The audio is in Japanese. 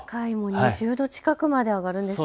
２０度近くまで上がるんですね。